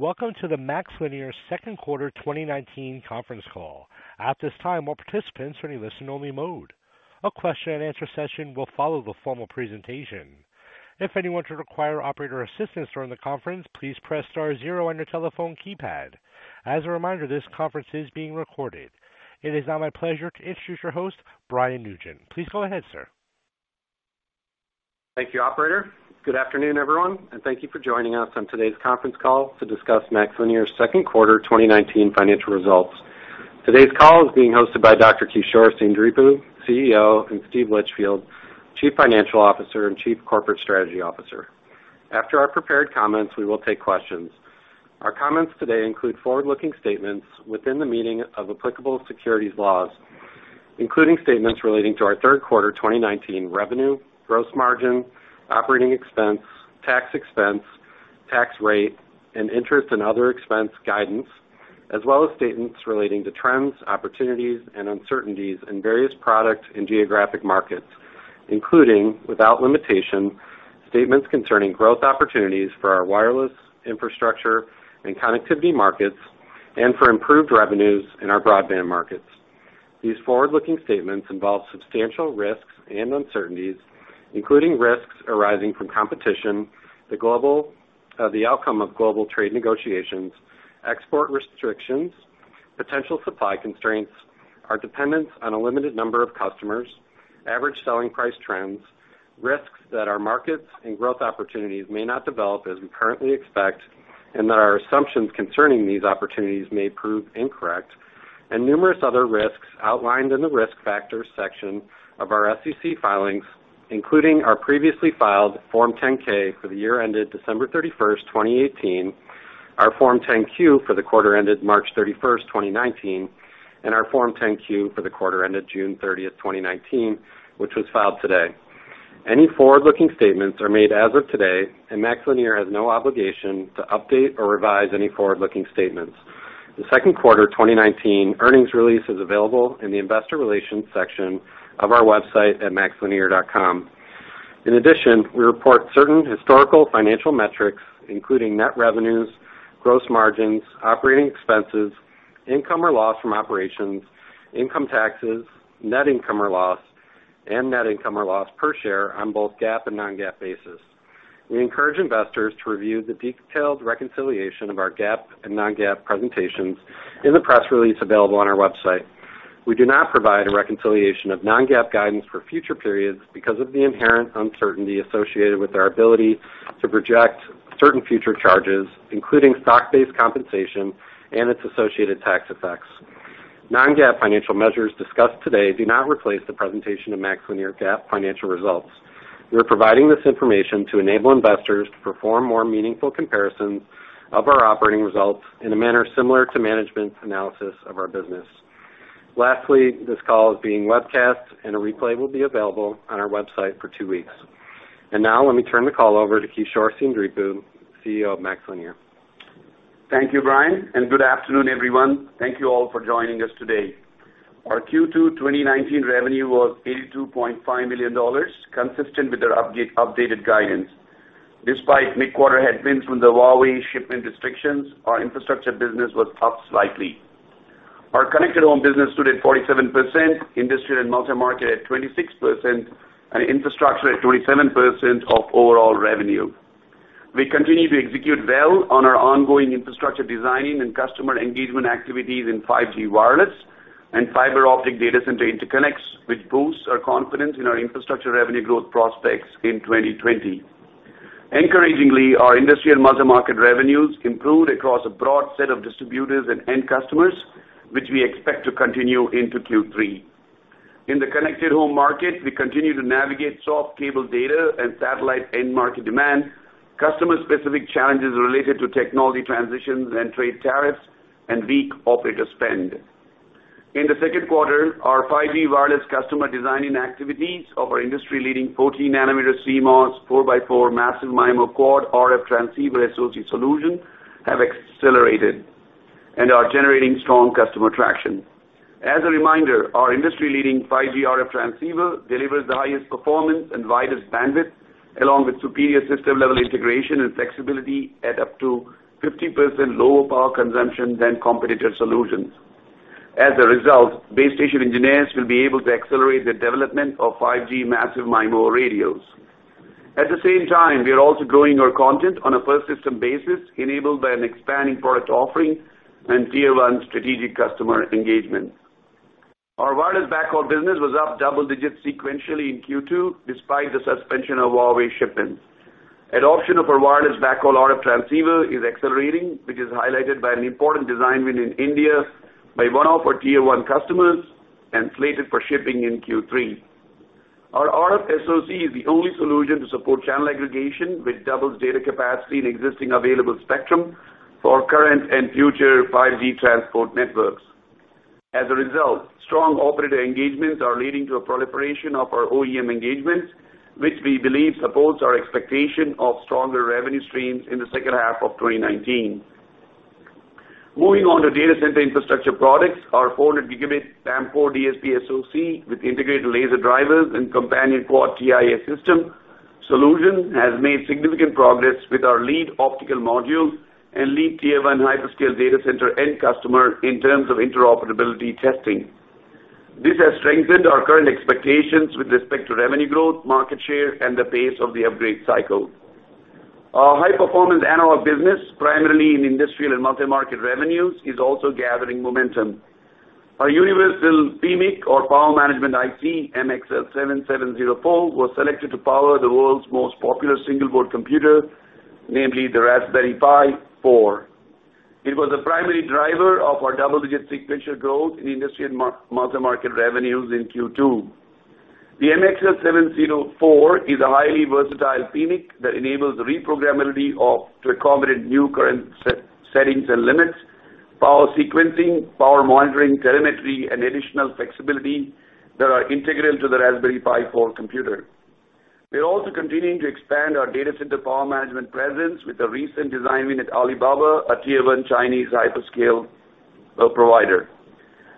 Welcome to the MaxLinear second quarter 2019 conference call. At this time, all participants are in listen-only mode. A question-and-answer session will follow the formal presentation. If anyone should require operator assistance during the conference, please press star zero on your telephone keypad. As a reminder, this conference is being recorded. It is now my pleasure to introduce your host, Brian Nugent. Please go ahead, sir. Thank you, operator. Good afternoon, everyone, and thank you for joining us on today's conference call to discuss MaxLinear's second quarter 2019 financial results. Today's call is being hosted by Dr. Kishore Seendripu, CEO, and Steve Litchfield, Chief Financial Officer and Chief Corporate Strategy Officer. After our prepared comments, we will take questions. Our comments today include forward-looking statements within the meaning of applicable securities laws, including statements relating to our third quarter 2019 revenue, gross margin, operating expense, tax expense, tax rate, and interest and other expense guidance, as well as statements relating to trends, opportunities, and uncertainties in various product and geographic markets, including, without limitation, statements concerning growth opportunities for our wireless infrastructure and connectivity markets and for improved revenues in our broadband markets. These forward-looking statements involve substantial risks and uncertainties, including risks arising from competition, the outcome of global trade negotiations, export restrictions, potential supply constraints, our dependence on a limited number of customers, average selling price trends, risks that our markets and growth opportunities may not develop as we currently expect, and that our assumptions concerning these opportunities may prove incorrect, and numerous other risks outlined in the Risk Factors section of our SEC filings, including our previously filed Form 10-K for the year ended December 31, 2018, our Form 10-Q for the quarter ended March 31, 2019, and our Form 10-Q for the quarter ended June 30, 2019, which was filed today. Any forward-looking statements are made as of today, and MaxLinear has no obligation to update or revise any forward-looking statements. The second quarter 2019 earnings release is available in the investor relations section of our website at maxlinear.com. In addition, we report certain historical financial metrics, including net revenues, gross margins, operating expenses, income or loss from operations, income taxes, net income or loss, and net income or loss per share on both GAAP and non-GAAP basis. We encourage investors to review the detailed reconciliation of our GAAP and non-GAAP presentations in the press release available on our website. We do not provide a reconciliation of non-GAAP guidance for future periods because of the inherent uncertainty associated with our ability to project certain future charges, including stock-based compensation and its associated tax effects. Non-GAAP financial measures discussed today do not replace the presentation of MaxLinear GAAP financial results. We are providing this information to enable investors to perform more meaningful comparisons of our operating results in a manner similar to management's analysis of our business. Lastly, this call is being webcast, and a replay will be available on our website for two weeks. Now, let me turn the call over to Kishore Seendripu, CEO of MaxLinear. Thank you, Brian, and good afternoon, everyone. Thank you all for joining us today. Our Q2 2019 revenue was $82.5 million, consistent with our updated guidance. Despite mid-quarter headwinds from the Huawei shipment restrictions, our infrastructure business was up slightly. Our connected home business stood at 47%, industry and multi-market at 26%, and infrastructure at 27% of overall revenue. We continue to execute well on our ongoing infrastructure designing and customer engagement activities in 5G wireless and fiber optic data center interconnects, which boosts our confidence in our infrastructure revenue growth prospects in 2020. Encouragingly, our industry and multi-market revenues improved across a broad set of distributors and end customers, which we expect to continue into Q3. In the connected home market, we continue to navigate soft cable data and satellite end market demand, customer-specific challenges related to technology transitions and trade tariffs, and weak operator spend. In the second quarter, our 5G wireless customer designing activities of our industry-leading 14-nanometer CMOS four by four massive MIMO quad RF transceiver SoC solution have accelerated and are generating strong customer traction. As a reminder, our industry-leading 5G RF transceiver delivers the highest performance and widest bandwidth, along with superior system-level integration and flexibility at up to 50% lower power consumption than competitor solutions. As a result, base station engineers will be able to accelerate the development of 5G massive MIMO radios. At the same time, we are also growing our content on a per-system basis, enabled by an expanding product offering and tier-one strategic customer engagement. Our wireless backhaul business was up double digits sequentially in Q2, despite the suspension of Huawei shipments. Adoption of our wireless backhaul RF transceiver is accelerating, which is highlighted by an important design win in India by one of our tier-one customers and slated for shipping in Q3. Our RF SoC is the only solution to support channel aggregation, which doubles data capacity in existing available spectrum for current and future 5G transport networks. As a result, strong operator engagements are leading to a proliferation of our OEM engagements, which we believe supports our expectation of stronger revenue streams in the second half of 2019. Moving on to data center infrastructure products, our 400G PAM4 DSP SoC with integrated laser drivers and companion quad TIA system solution has made significant progress with our lead optical module and lead tier 1 hyperscale data center end customer in terms of interoperability testing. This has strengthened our current expectations with respect to revenue growth, market share, and the pace of the upgrade cycle. Our high-performance analog business, primarily in industrial and multi-market revenues, is also gathering momentum. Our universal PMIC or power management IC, MxL7704, was selected to power the world's most popular single-board computer, namely the Raspberry Pi 4. It was the primary driver of our double-digit sequential growth in industrial multi-market revenues in Q2. The MxL7704 is a highly versatile PMIC that enables the re-programmability to accommodate new current settings and limits, power sequencing, power monitoring, telemetry, and additional flexibility that are integral to the Raspberry Pi 4 computer. We are also continuing to expand our data center power management presence with the recent design win at Alibaba, a tier 1 Chinese hyperscale provider.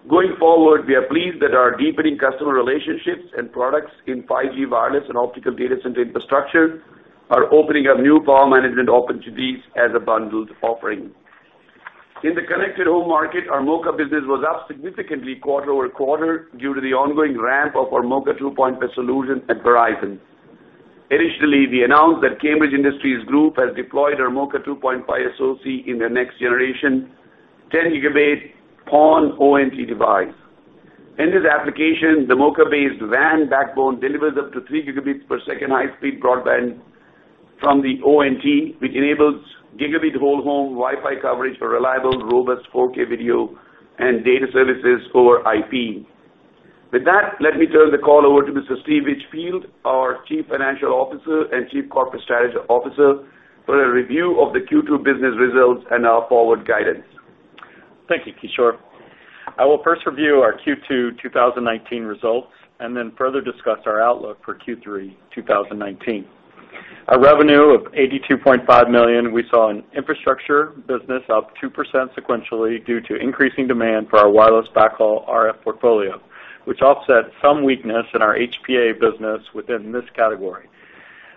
Going forward, we are pleased that our deepening customer relationships and products in 5G wireless and optical data center infrastructure are opening up new power management opportunities as a bundled offering. In the connected home market, our MoCA business was up significantly quarter-over-quarter due to the ongoing ramp of our MoCA 2.5 solution at Verizon. Additionally, we announced that Cambridge Industries Group has deployed our MoCA 2.5 SoC in their next-generation 10 gigabit PON ONT device. In this application, the MoCA-based WAN backbone delivers up to three gigabits per second high-speed broadband from the ONT, which enables gigabit whole-home Wi-Fi coverage for reliable, robust 4K video and data services over IP. With that, let me turn the call over to Mr. Steve Litchfield, our Chief Financial Officer and Chief Corporate Strategy Officer, for a review of the Q2 business results and our forward guidance. Thank you, Kishore. I will first review our Q2 2019 results and then further discuss our outlook for Q3 2019. Our revenue of $82.5 million, we saw an infrastructure business up 2% sequentially due to increasing demand for our wireless backhaul RF portfolio, which offset some weakness in our HPA business within this category.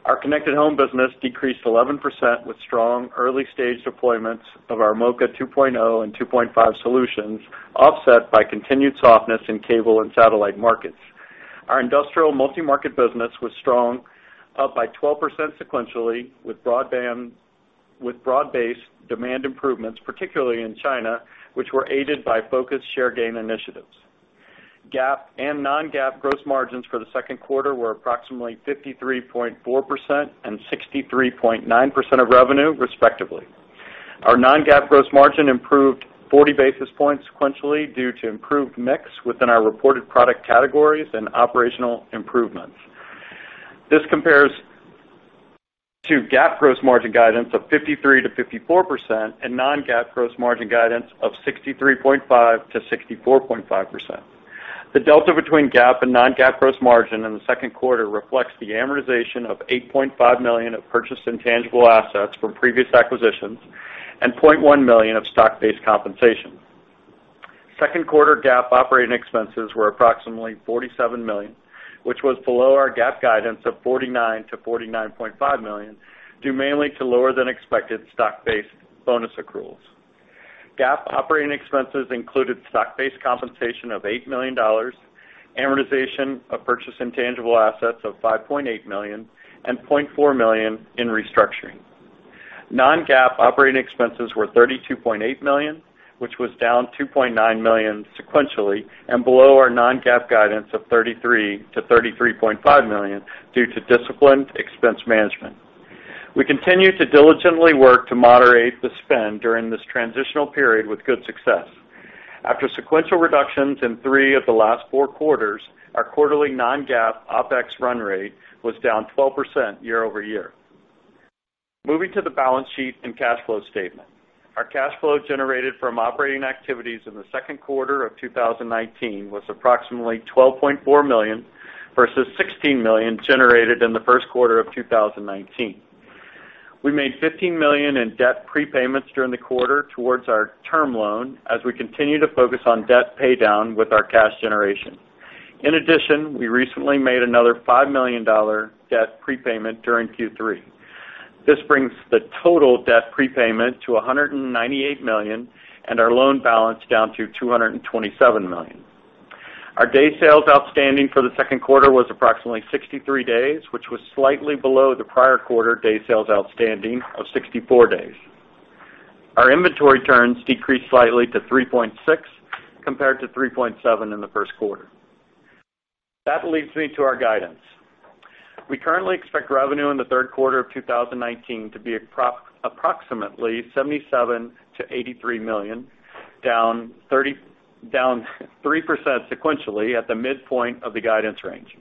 Our connected home business decreased 11% with strong early-stage deployments of our MoCA 2.0 and 2.5 solutions, offset by continued softness in cable and satellite markets. Our industrial multi-market business was strong, up by 12% sequentially with broad-based demand improvements, particularly in China, which were aided by focused share gain initiatives. GAAP and non-GAAP gross margins for the second quarter were approximately 53.4% and 63.9% of revenue, respectively. Our non-GAAP gross margin improved 40 basis points sequentially due to improved mix within our reported product categories and operational improvements. This compares to GAAP gross margin guidance of 53%-54% and non-GAAP gross margin guidance of 63.5%-64.5%. The delta between GAAP and non-GAAP gross margin in the second quarter reflects the amortization of $8.5 million of purchased intangible assets from previous acquisitions and $0.1 million of stock-based compensation. Second quarter GAAP operating expenses were approximately $47 million, which was below our GAAP guidance of $49 million-$49.5 million, due mainly to lower than expected stock-based bonus accruals. GAAP operating expenses included stock-based compensation of $8 million, amortization of purchased intangible assets of $5.8 million, and $0.4 million in restructuring. non-GAAP operating expenses were $32.8 million, which was down $2.9 million sequentially and below our non-GAAP guidance of $33 million-$33.5 million due to disciplined expense management. We continue to diligently work to moderate the spend during this transitional period with good success. After sequential reductions in three of the last four quarters, our quarterly non-GAAP OpEx run rate was down 12% year-over-year. Moving to the balance sheet and cash flow statement. Our cash flow generated from operating activities in the second quarter of 2019 was approximately $12.4 million, versus $16 million generated in the first quarter of 2019. We made $15 million in debt prepayments during the quarter towards our term loan as we continue to focus on debt paydown with our cash generation. In addition, we recently made another $5 million debt prepayment during Q3. This brings the total debt prepayment to $198 million and our loan balance down to $227 million. Our day sales outstanding for the second quarter was approximately 63 days, which was slightly below the prior quarter day sales outstanding of 64 days. Our inventory turns decreased slightly to 3.6, compared to 3.7 in the first quarter. That leads me to our guidance. We currently expect revenue in the third quarter of 2019 to be approximately $77 million-$83 million, down 3% sequentially at the midpoint of the guidance range.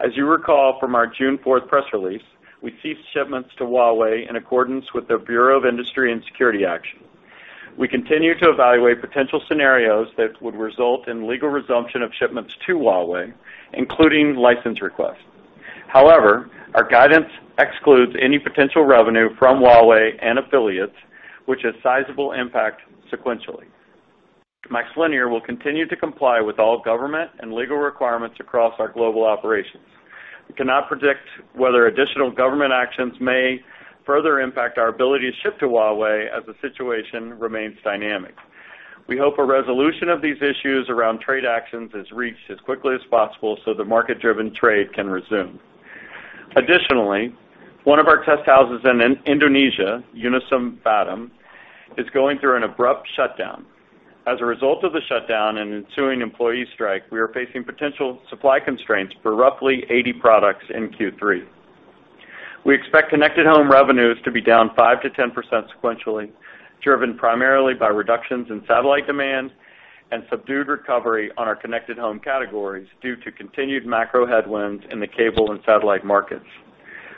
As you recall from our June 4th press release, we ceased shipments to Huawei in accordance with the Bureau of Industry and Security action. We continue to evaluate potential scenarios that would result in legal resumption of shipments to Huawei, including license requests. However, our guidance excludes any potential revenue from Huawei and affiliates, which has sizable impact sequentially. MaxLinear will continue to comply with all government and legal requirements across our global operations. We cannot predict whether additional government actions may further impact our ability to ship to Huawei as the situation remains dynamic. We hope a resolution of these issues around trade actions is reached as quickly as possible so that market-driven trade can resume. Additionally, one of our test houses in Indonesia, Unisem Batam, is going through an abrupt shutdown. As a result of the shutdown and ensuing employee strike, we are facing potential supply constraints for roughly 80 products in Q3. We expect connected home revenues to be down 5%-10% sequentially, driven primarily by reductions in satellite demand and subdued recovery on our connected home categories due to continued macro headwinds in the cable and satellite markets.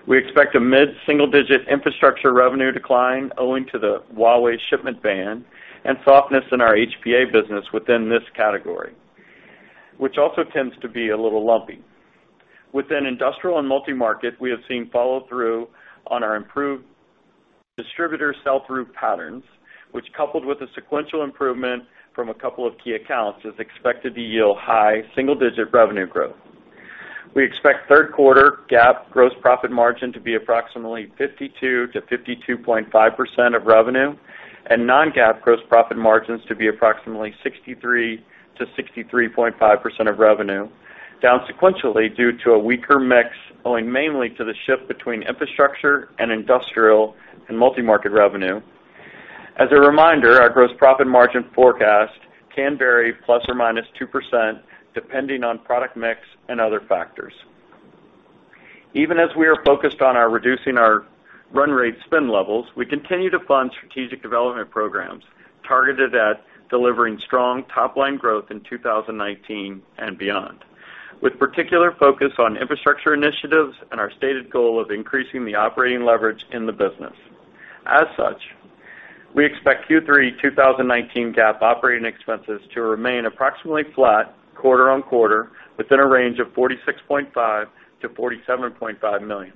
We expect a mid-single-digit infrastructure revenue decline owing to the Huawei shipment ban and softness in our HPA business within this category, which also tends to be a little lumpy. Within industrial and multi-market, we have seen follow-through on our improved distributor sell-through patterns, which, coupled with a sequential improvement from a couple of key accounts, is expected to yield high single-digit revenue growth. We expect third quarter GAAP gross profit margin to be approximately 52%-52.5% of revenue and non-GAAP gross profit margins to be approximately 63%-63.5% of revenue, down sequentially due to a weaker mix owing mainly to the shift between infrastructure and industrial and multi-market revenue. As a reminder, our gross profit margin forecast can vary ±2% depending on product mix and other factors. Even as we are focused on reducing our run rate spend levels, we continue to fund strategic development programs targeted at delivering strong top-line growth in 2019 and beyond, with particular focus on infrastructure initiatives and our stated goal of increasing the operating leverage in the business. We expect Q3 2019 GAAP operating expenses to remain approximately flat quarter-on-quarter within a range of $46.5 million-$47.5 million,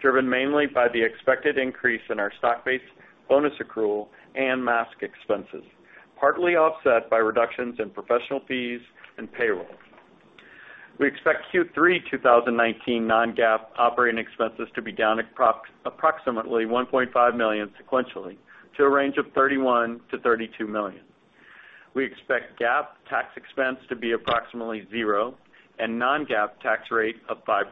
driven mainly by the expected increase in our stock-based bonus accrual and mask expenses, partly offset by reductions in professional fees and payroll. We expect Q3 2019 non-GAAP operating expenses to be down approximately $1.5 million sequentially to a range of $31 million-$32 million. We expect GAAP tax expense to be approximately zero and non-GAAP tax rate of 5%.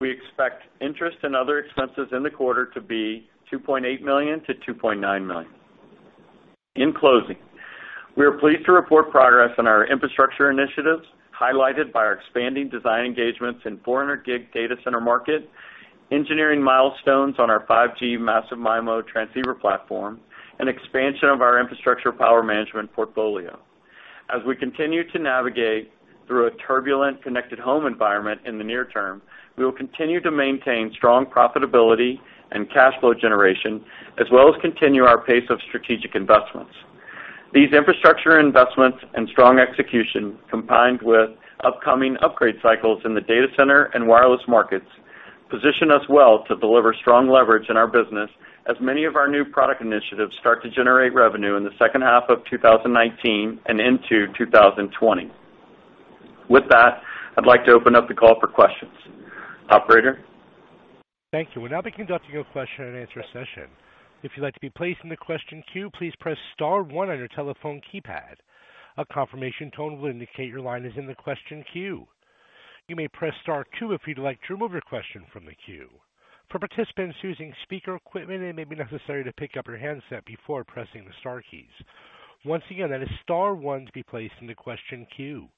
We expect interest in other expenses in the quarter to be $2.8 million-$2.9 million. In closing, we are pleased to report progress on our infrastructure initiatives, highlighted by our expanding design engagements in 400G data center market, engineering milestones on our 5G massive MIMO transceiver platform, and expansion of our infrastructure power management portfolio. As we continue to navigate through a turbulent connected home environment in the near term, we will continue to maintain strong profitability and cash flow generation, as well as continue our pace of strategic investments. These infrastructure investments and strong execution, combined with upcoming upgrade cycles in the data center and wireless markets, position us well to deliver strong leverage in our business as many of our new product initiatives start to generate revenue in the second half of 2019 and into 2020. With that, I'd like to open up the call for questions. Operator? Thank you. We'll now be conducting a question and answer session. If you'd like to be placed in the question queue, please press star one on your telephone keypad. A confirmation tone will indicate your line is in the question queue. You may press star two if you'd like to remove your question from the queue. For participants using speaker equipment, it may be necessary to pick up your handset before pressing the star keys. Once again, that is star one to be placed in the question queue.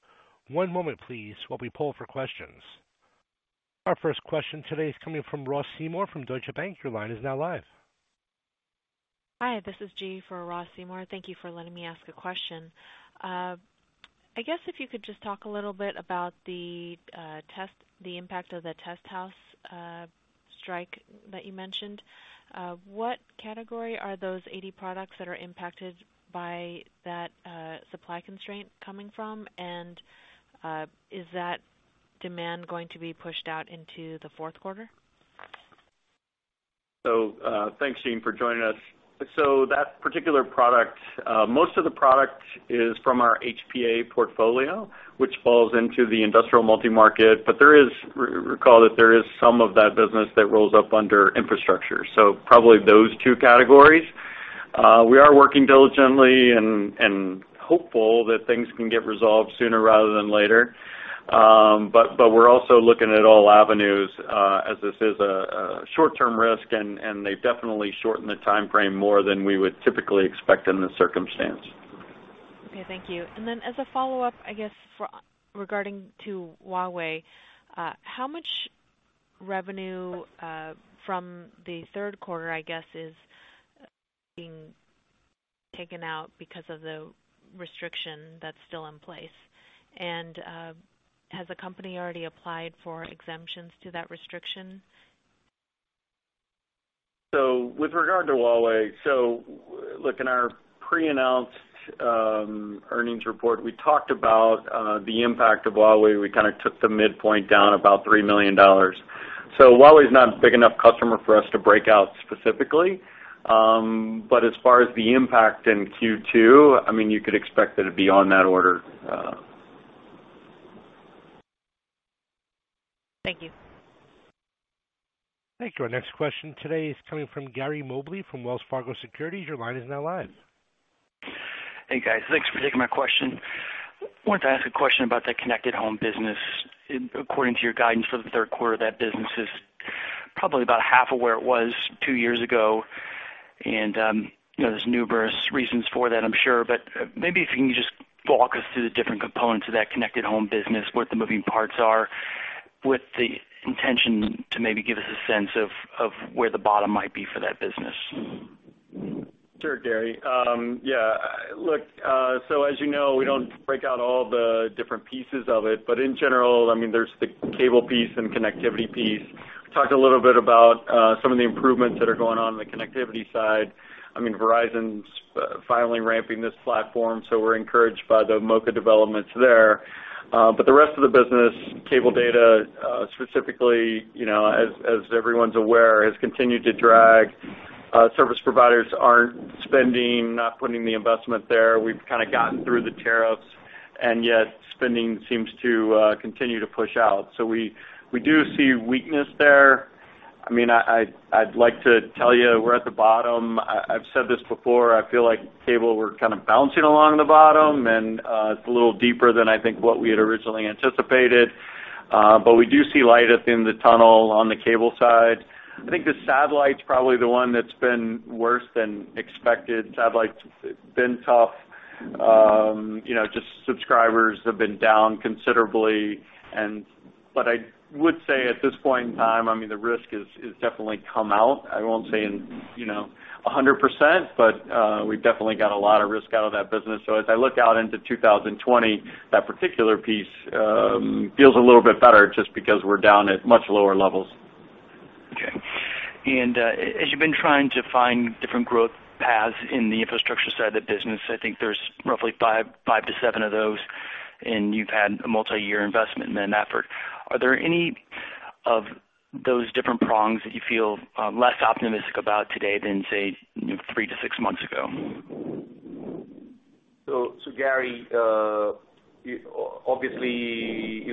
One moment, please, while we poll for questions. Our first question today is coming from Ross Seymore from Deutsche Bank. Your line is now live. Hi, this is Jean for Ross Seymore. Thank you for letting me ask a question. I guess if you could just talk a little bit about the impact of the test house strike that you mentioned. What category are those 80 products that are impacted by that supply constraint coming from? Is that demand going to be pushed out into the fourth quarter? Thanks, Jean, for joining us. That particular product, most of the product is from our HPA portfolio, which falls into the industrial multi-market, but recall that there is some of that business that rolls up under infrastructure. Probably those two categories. We are working diligently and hopeful that things can get resolved sooner rather than later. We're also looking at all avenues, as this is a short-term risk, and they've definitely shortened the timeframe more than we would typically expect in this circumstance. Okay. Thank you. Then as a follow-up, I guess, regarding to Huawei, how much revenue from the third quarter, I guess, is being taken out because of the restriction that's still in place? Has the company already applied for exemptions to that restriction? With regard to Huawei, in our pre-announced earnings report, we talked about the impact of Huawei. We kind of took the midpoint down about $3 million. Huawei is not a big enough customer for us to break out specifically. As far as the impact in Q2, you could expect that it'd be on that order. Thank you. Thank you. Our next question today is coming from Gary Mobley from Wells Fargo Securities. Your line is now live. Hey, guys. Thanks for taking my question. Wanted to ask a question about the connected home business. According to your guidance for the third quarter, that business is probably about half of where it was two years ago, and there's numerous reasons for that, I'm sure. Maybe if you can just walk us through the different components of that connected home business, what the moving parts are, with the intention to maybe give us a sense of where the bottom might be for that business. Sure, Gary. Yeah, look, as you know, we don't break out all the different pieces of it, in general, there's the cable piece and connectivity piece. We talked a little bit about some of the improvements that are going on in the connectivity side. Verizon's finally ramping this platform, we're encouraged by the MoCA developments there. The rest of the business, cable data, specifically, as everyone's aware, has continued to drag. Service providers aren't spending, not putting the investment there. We've kind of gotten through the tariffs, yet spending seems to continue to push out. We do see weakness there. I'd like to tell you we're at the bottom. I've said this before, I feel like cable, we're kind of bouncing along the bottom, it's a little deeper than I think what we had originally anticipated. We do see light at the end of the tunnel on the cable side. I think the satellite's probably the one that's been worse than expected. Satellite's been tough. Just subscribers have been down considerably. I would say at this point in time, the risk has definitely come out. I won't say in 100%, but we've definitely got a lot of risk out of that business. As I look out into 2020, that particular piece feels a little bit better just because we're down at much lower levels. Okay. As you've been trying to find different growth paths in the infrastructure side of the business, I think there's roughly 5-7 of those, and you've had a multi-year investment in that effort. Are there any of those different prongs that you feel less optimistic about today than, say, 3-6 months ago? Gary, obviously,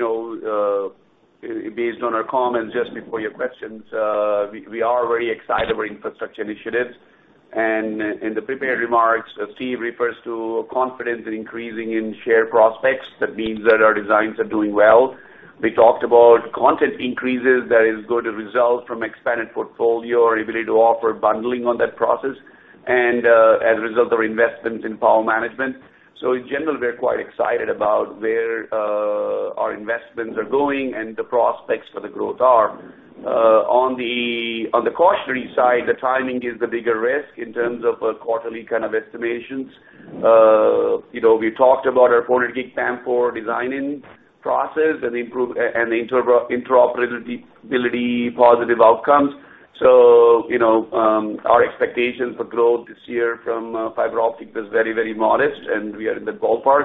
based on our comments just before your questions, we are very excited about infrastructure initiatives. In the prepared remarks, Steve refers to confidence increasing in share prospects. That means that our designs are doing well. We talked about content increases that is going to result from expanded portfolio or ability to offer bundling on that process and as a result of our investments in power management. In general, we're quite excited about where our investments are going and the prospects for the growth are. On the cautionary side, the timing is the bigger risk in terms of quarterly kind of estimations. We talked about our 400G PAM4 designing process and interoperability positive outcomes. Our expectation for growth this year from fiber optic was very modest, and we are in the ballpark.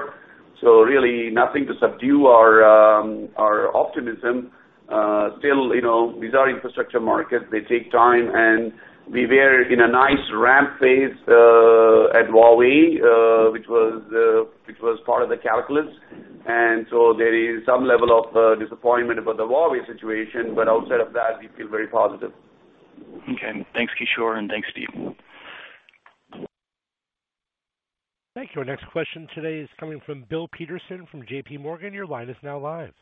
Really nothing to subdue our optimism. Still, these are infrastructure markets. They take time, and we were in a nice ramp phase at Huawei, which was part of the calculus. There is some level of disappointment about the Huawei situation. Outside of that, we feel very positive. Okay. Thanks, Kishore, and thanks, Steve. Thank you. Our next question today is coming from Bill Peterson from JP Morgan. Your line is now live.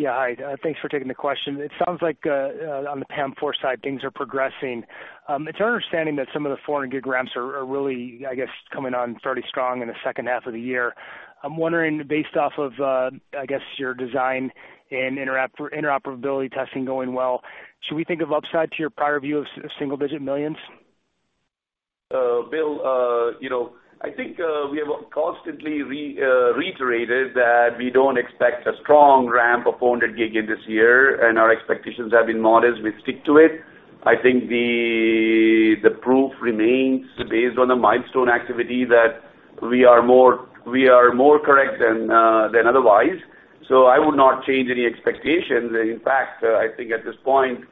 Yeah. Hi. Thanks for taking the question. It sounds like on the PAM4 side, things are progressing. It's our understanding that some of the 400G ramps are really, I guess, coming on fairly strong in the second half of the year. I'm wondering, based off of, I guess, your design and interoperability testing going well, should we think of upside to your prior view of single-digit millions? Bill, I think we have constantly reiterated that we don't expect a strong ramp of 400G this year. Our expectations have been modest. We stick to it. I think the proof remains based on the milestone activity that we are more correct than otherwise. I would not change any expectations. In fact, I think at this point,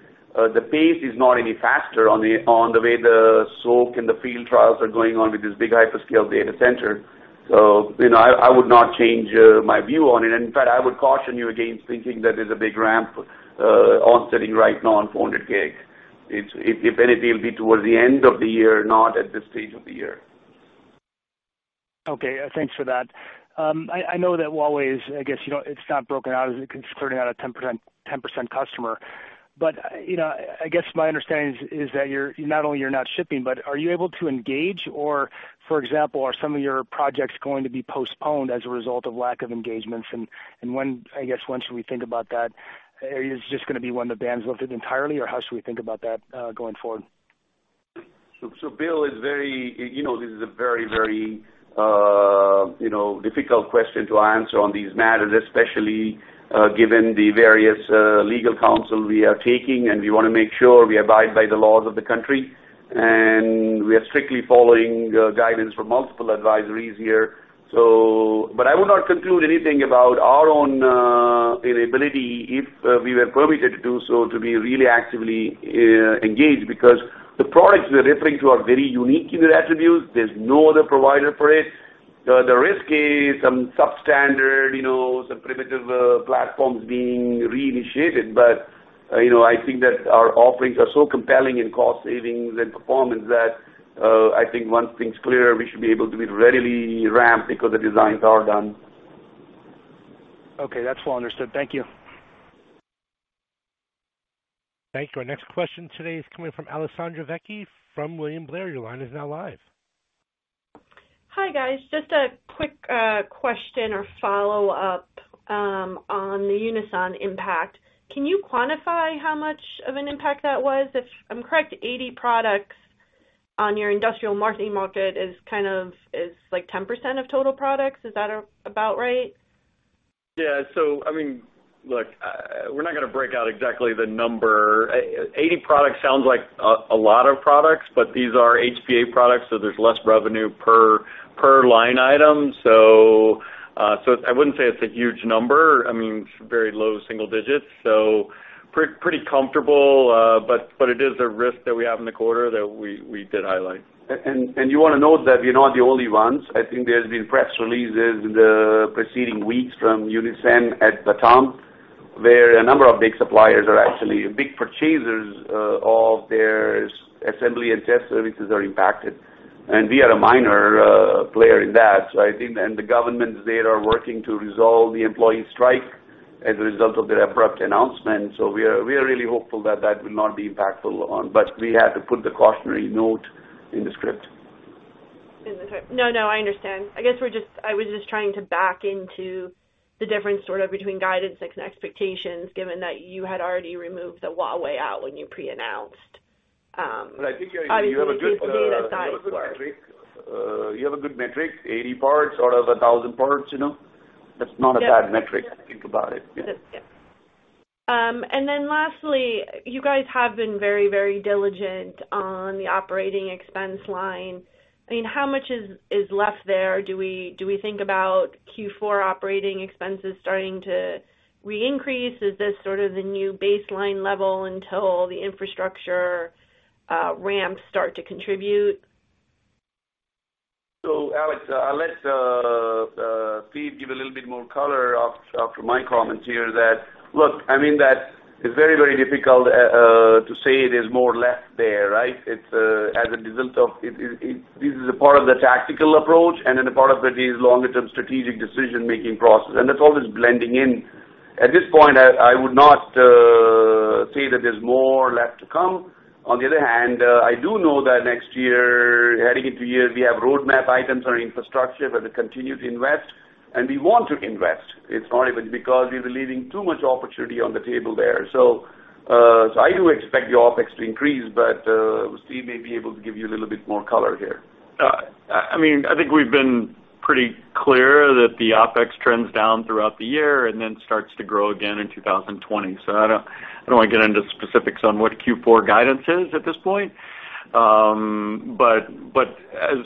the pace is not any faster on the way the soak and the field trials are going on with this big hyperscale data center. I would not change my view on it. In fact, I would caution you against thinking that there's a big ramp on setting right now on 400G. If anything, it will be towards the end of the year, not at this stage of the year. Okay. Thanks for that. I know that Huawei is, I guess it's not broken out as it's clearly not a 10% customer. I guess my understanding is that not only you're not shipping, but are you able to engage or, for example, are some of your projects going to be postponed as a result of lack of engagements? When should we think about that? Is this going to be when the ban's lifted entirely, or how should we think about that going forward? Bill, this is a very difficult question to answer on these matters, especially given the various legal counsel we are taking, and we want to make sure we abide by the laws of the country, and we are strictly following guidance from multiple advisories here. I would not conclude anything about our own inability, if we were permitted to do so, to be really actively engaged, because the products we are referring to are very unique in their attributes. There's no other provider for it. The risk is some substandard, some primitive platforms being reinitiated. I think that our offerings are so compelling in cost savings and performance that I think once things clear, we should be able to be readily ramped because the designs are done. Okay. That's well understood. Thank you. Thank you. Our next question today is coming from Alessandra Vecchi from William Blair. Your line is now live. Hi, guys. Just a quick question or follow-up on the Unisem impact. Can you quantify how much of an impact that was? If I'm correct, 80 products on your industrial marketing market is 10% of total products. Is that about right? Look, we're not going to break out exactly the number. 80 products sounds like a lot of products, but these are HPA products, so there's less revenue per line item. I wouldn't say it's a huge number. It's very low single digits, pretty comfortable. It is a risk that we have in the quarter that we did highlight. You want to note that we are not the only ones. I think there's been press releases in the preceding weeks from Unisem at Batam, where a number of big suppliers are actually big purchasers of their assembly, and test services are impacted. We are a minor player in that. The government there are working to resolve the employee strike as a result of their abrupt announcement. We are really hopeful that that will not be impactful, but we had to put the cautionary note in the script. In the script. No, I understand. I guess I was just trying to back into the difference between guidance and expectations, given that you had already removed the Huawei out when you pre-announced. I think you have a good- based on data science work you have a good metric. 80 parts out of 1,000 parts. That's not a bad metric, if you think about it. Yeah. Yeah. Lastly, you guys have been very diligent on the operating expense line. How much is left there? Do we think about Q4 operating expenses starting to re-increase? Is this sort of the new baseline level until the infrastructure ramps start to contribute? Alessandra, I'll let Steve give a little bit more color after my comments here. Look, it's very difficult to say there's more left there, right? This is a part of the tactical approach, and then a part of it is longer term strategic decision making process, and that's always blending in. At this point, I would not say that there's more left to come. On the other hand, I do know that next year, heading into years, we have roadmap items on infrastructure that we continue to invest, and we want to invest. It's not even because we're leaving too much opportunity on the table there. I do expect the OpEx to increase, but Steve may be able to give you a little bit more color here. I think we've been pretty clear that the OpEx trends down throughout the year and then starts to grow again in 2020. I don't want to get into specifics on what Q4 guidance is at this point.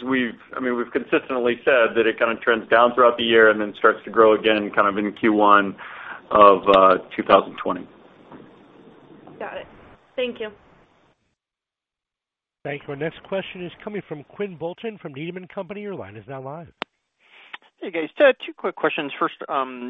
We've consistently said that it kind of trends down throughout the year and then starts to grow again in Q1 of 2020. Got it. Thank you. Thank you. Our next question is coming from Quinn Bolton from Needham & Company. Your line is now live. Hey, guys. Two quick questions. First,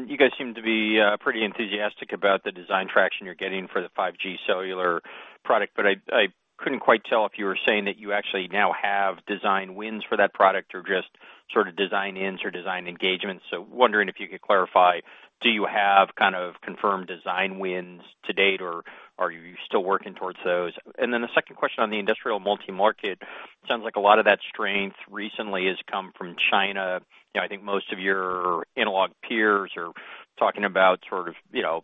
you guys seem to be pretty enthusiastic about the design traction you're getting for the 5G cellular product, but I couldn't quite tell if you were saying that you actually now have design wins for that product or just sort of design ins or design engagements. Wondering if you could clarify, do you have kind of confirmed design wins to date, or are you still working towards those? The second question on the industrial multi-market, sounds like a lot of that strength recently has come from China. I think most of your analog peers are talking about sort of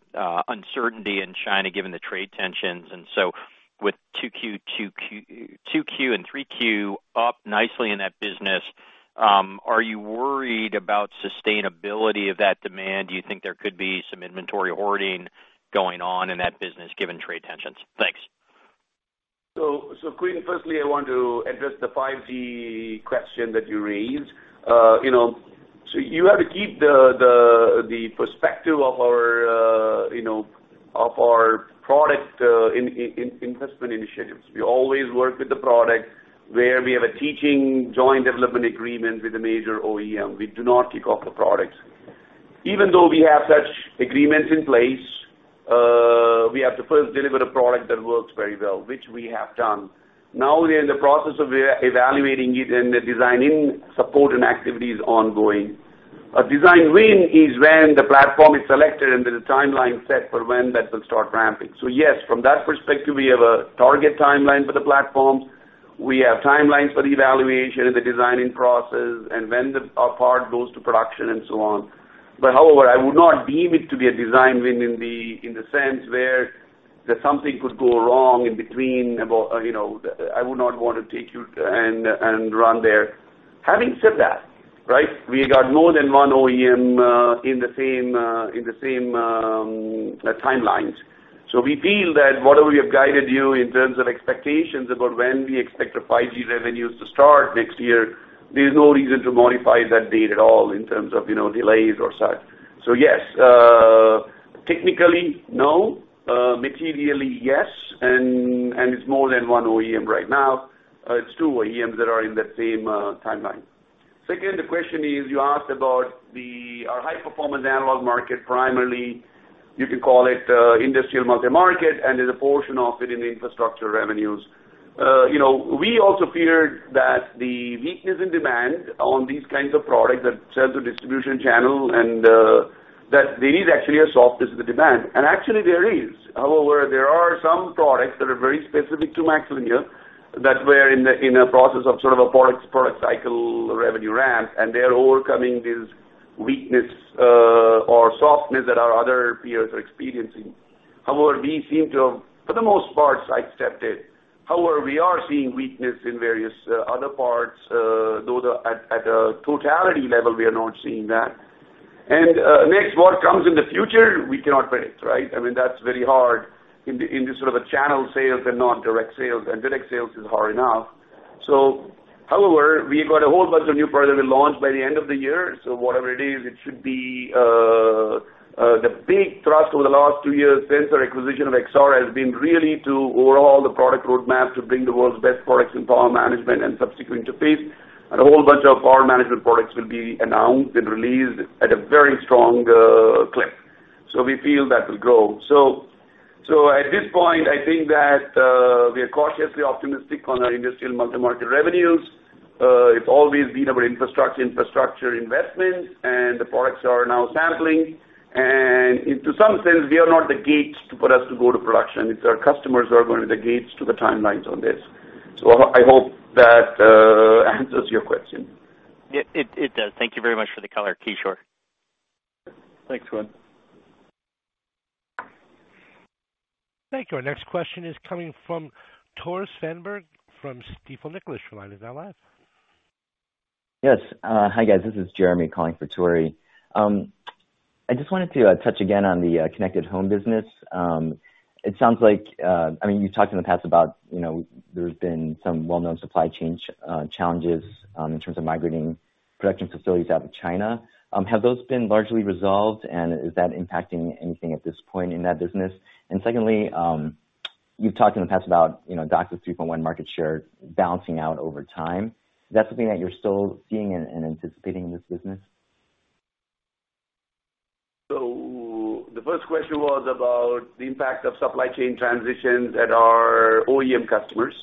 uncertainty in China given the trade tensions, and so with 2Q and 3Q up nicely in that business, are you worried about sustainability of that demand? Do you think there could be some inventory hoarding going on in that business given trade tensions? Thanks. Quinn, firstly, I want to address the 5G question that you raised. You have to keep the perspective of our product investment initiatives. We always work with the product where we have a teaching joint development agreement with a major OEM. We do not kick off the products. Even though we have such agreements in place, we have to first deliver a product that works very well, which we have done. Now we are in the process of evaluating it and the designing support and activity is ongoing. A design win is when the platform is selected and there's a timeline set for when that will start ramping. Yes, from that perspective, we have a target timeline for the platforms. We have timelines for the evaluation and the designing process and when our part goes to production and so on. However, I would not deem it to be a design win in the sense where something could go wrong in between. I would not want to take you and run there. Having said that, we got more than one OEM in the same timelines. We feel that whatever we have guided you in terms of expectations about when we expect the 5G revenues to start next year, there's no reason to modify that date at all in terms of delays or such. Yes, technically no, materially yes, and it's more than one OEM right now. It's two OEMs that are in that same timeline. Second, the question is, you asked about our high-performance analog market, primarily you can call it industrial multi-market, and there's a portion of it in the infrastructure revenues. We also feared that the weakness in demand on these kinds of products that sell to distribution channel, and that there is actually a softness in the demand, and actually there is. There are some products that are very specific to MaxLinear that were in a process of sort of a product cycle revenue ramp, and they're overcoming this weakness or softness that our other peers are experiencing. We seem to have, for the most part, accepted. We are seeing weakness in various other parts. At a totality level, we are not seeing that. Next, what comes in the future, we cannot predict. I mean, that's very hard in this sort of a channel sales and not direct sales, and direct sales is hard enough. However, we've got a whole bunch of new products that will launch by the end of the year. Whatever it is, it should be the big thrust over the last two years since our acquisition of Exar has been really to overhaul the product roadmap to bring the world's best products in power management and subsequent interface. A whole bunch of power management products will be announced and released at a very strong clip. We feel that will grow. At this point, I think that we are cautiously optimistic on our industrial multi-market revenues. It's always been about infrastructure investments, and the products are now sampling, and to some sense, we are not the gates for us to go to production. It's our customers who are going to be the gates to the timelines on this. I hope that answers your question. It does. Thank you very much for the color, Kishore. Thanks, Quinn. Thank you. Our next question is coming from Tore Svanberg from Stifel Nicolaus. The line is now live. Yes. Hi, guys. This is Jeremy calling for Tore. I just wanted to touch again on the connected home business. It sounds like you talked in the past about there's been some well-known supply chain challenges in terms of migrating production facilities out of China. Have those been largely resolved, is that impacting anything at this point in that business? Secondly, you've talked in the past about DOCSIS 3.1 market share balancing out over time. Is that something that you're still seeing and anticipating in this business? The first question was about the impact of supply chain transitions at our OEM customers,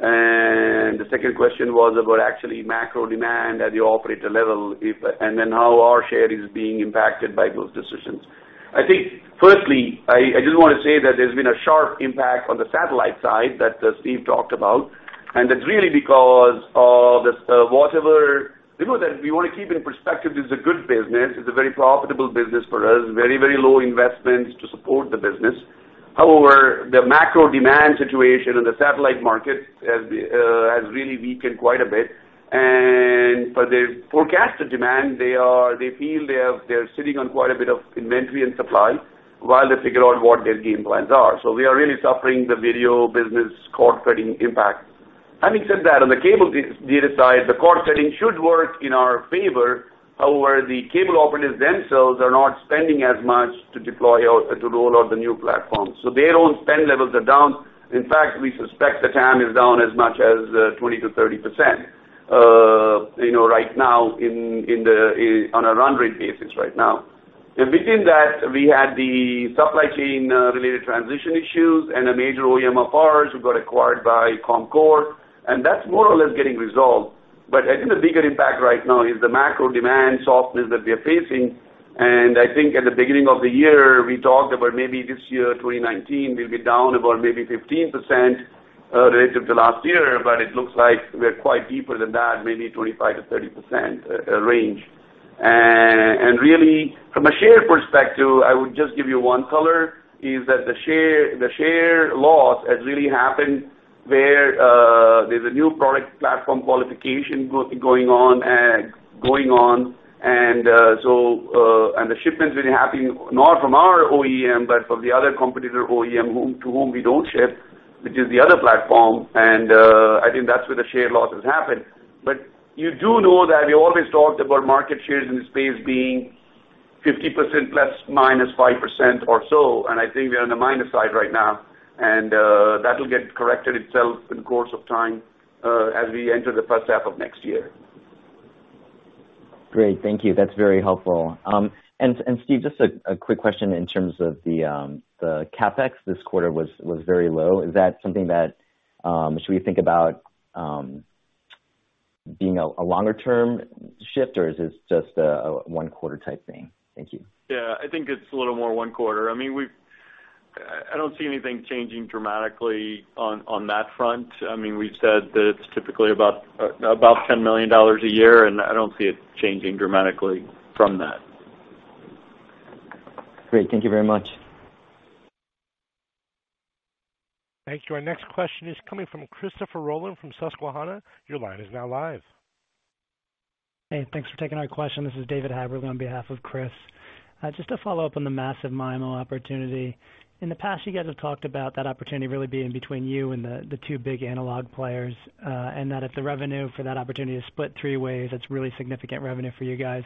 and the second question was about actually macro demand at the operator level, and then how our share is being impacted by those decisions. I think firstly, I just want to say that there's been a sharp impact on the satellite side that Steve talked about, and that's really because of whatever-- remember that we want to keep in perspective, this is a good business. It's a very profitable business for us, very low investments to support the business. The macro demand situation in the satellite market has really weakened quite a bit. For the forecasted demand, they feel they're sitting on quite a bit of inventory and supply while they figure out what their game plans are. We are really suffering the video business cord-cutting impact. Having said that, on the cable data side, the cord-cutting should work in our favor. The cable operators themselves are not spending as much to deploy or to roll out the new platforms. Their own spend levels are down. In fact, we suspect the TAM is down as much as 20%-30% right now on a run rate basis right now. In between that, we had the supply chain-related transition issues and a major OEM of ours who got acquired by CommScope, and that's more or less getting resolved. I think the bigger impact right now is the macro demand softness that we are facing, and I think at the beginning of the year, we talked about maybe this year, 2019, we'll be down about maybe 15% relative to last year, but it looks like we're quite deeper than that, maybe 25%-30% range. Really, from a share perspective, I would just give you one color, is that the share loss has really happened where there's a new product platform qualification going on, and the shipment's really happening, not from our OEM, but from the other competitor OEM to whom we don't ship, which is the other platform. I think that's where the share loss has happened. You do know that we always talked about market shares in the space being 50% plus minus 5% or so. I think we are on the minus side right now. That will get corrected itself in the course of time as we enter the first half of next year. Great. Thank you. That's very helpful. Steve, just a quick question in terms of the CapEx this quarter was very low. Is that something that should we think about being a longer-term shift, or is this just a one-quarter type thing? Thank you. Yeah. I think it's a little more one quarter. I mean, I don't see anything changing dramatically on that front. We've said that it's typically about $10 million a year. I don't see it changing dramatically from that. Great. Thank you very much. Thank you. Our next question is coming from Christopher Rolland from Susquehanna. Your line is now live. Hey, thanks for taking our question. This is David Haverly on behalf of Chris. To follow up on the massive MIMO opportunity. In the past, you guys have talked about that opportunity really being between you and the two big analog players, and that if the revenue for that opportunity is split three ways, that's really significant revenue for you guys.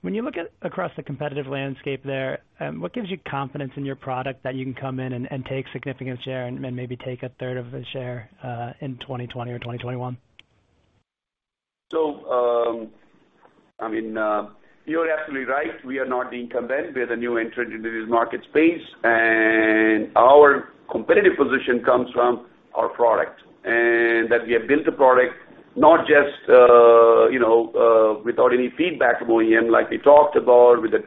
When you look at across the competitive landscape there, what gives you confidence in your product that you can come in and take significant share and maybe take a third of the share, in 2020 or 2021? You're absolutely right. We are not the incumbent. We are the new entrant into this market space, and our competitive position comes from our product, and that we have built a product not just without any feedback from OEM, like we talked about with the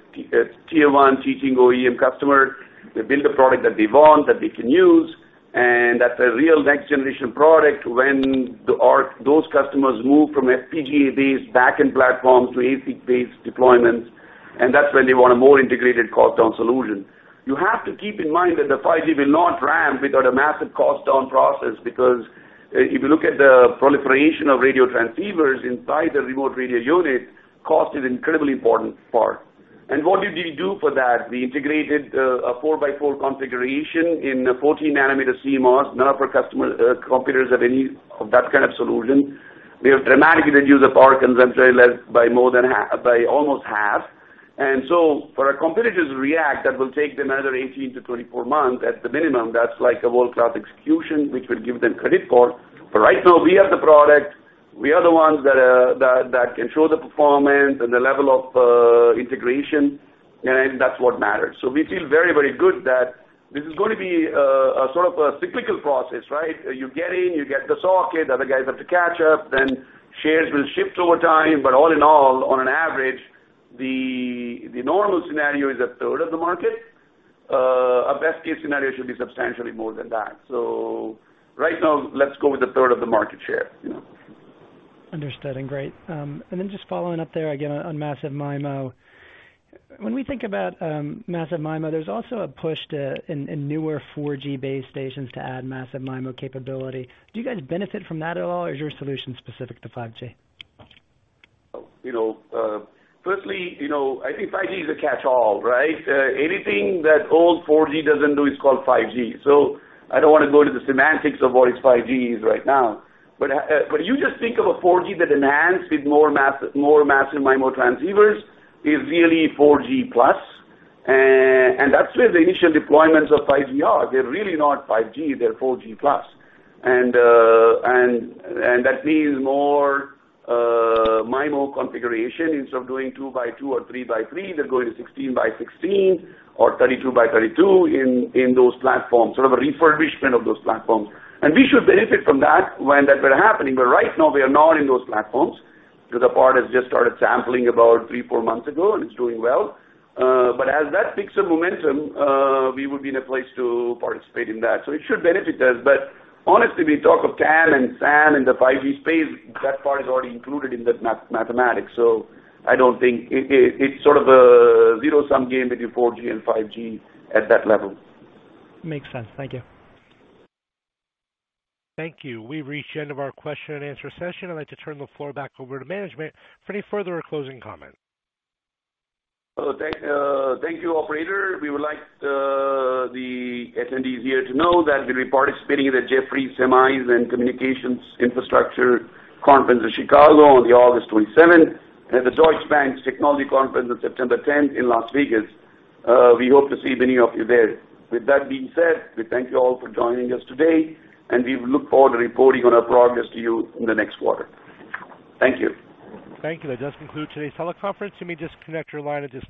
tier 1 teaching OEM customer. We build a product that they want, that they can use, and that's a real next-generation product when those customers move from FPGA-based back-end platforms to AP-based deployments, and that's when they want a more integrated cost-down solution. You have to keep in mind that the 5G will not ramp without a massive cost-down process because if you look at the proliferation of radio transceivers inside the remote radio unit, cost is incredibly important part. What did we do for that? We integrated a 4x4 configuration in 14 nanometer CMOS. None of our competitors have any of that kind of solution. We have dramatically reduced the power consumption by almost half. For our competitors to react, that will take them another 18-24 months at the minimum. That's like a world-class execution, which we give them credit for. Right now, we have the product. We are the ones that can show the performance and the level of integration, and that's what matters. We feel very, very good that this is going to be a sort of a cyclical process, right? You get in, you get the socket, other guys have to catch up, then shares will shift over time. All in all, on an average, the normal scenario is a third of the market. A best case scenario should be substantially more than that. Right now, let's go with a third of the market share. Understood and great. Just following up there again on massive MIMO. When we think about massive MIMO, there's also a push to in newer 4G base stations to add massive MIMO capability. Do you guys benefit from that at all, or is your solution specific to 5G? Firstly, I think 5G is a catch-all, right? Anything that old 4G doesn't do is called 5G. I don't want to go to the semantics of what is 5G is right now. You just think of a 4G that enhanced with more massive MIMO transceivers is really 4G plus. That's where the initial deployments of 5G are. They're really not 5G, they're 4G plus. That means more MIMO configuration. Instead of doing 2x2 or 3x3, they're going 16x16 or 32x32 in those platforms, sort of a refurbishment of those platforms. We should benefit from that when that were happening. Right now, we are not in those platforms because the part has just started sampling about three, four months ago, and it's doing well. As that picks up momentum, we would be in a place to participate in that. It should benefit us. Honestly, we talk of TAM and SAM in the 5G space, that part is already included in the mathematics. I don't think it's sort of a zero-sum game between 4G and 5G at that level. Makes sense. Thank you. Thank you. We've reached the end of our question and answer session. I'd like to turn the floor back over to management for any further or closing comments. Thank you, operator. We would like the attendees here to know that we'll be participating in the Jefferies Semis and Communications Infrastructure Conference in Chicago on August 27th and the Deutsche Bank Technology Conference on September 10th in Las Vegas. We hope to see many of you there. With that being said, we thank you all for joining us today, and we look forward to reporting on our progress to you in the next quarter. Thank you. Thank you. That does conclude today's teleconference. You may disconnect your line at this time.